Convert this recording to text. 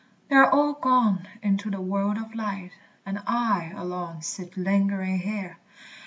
They are all gone into the world of light, And I alone sit lingering here!